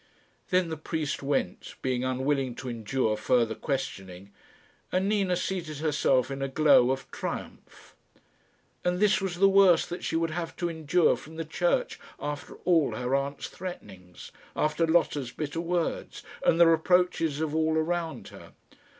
Then the priest went, being unwilling to endure further questioning, and Nina seated herself in a glow of triumph. And this was the worst that she would have to endure from the Church after all her aunt's threatenings after Lotta's bitter words, and the reproaches of all around her!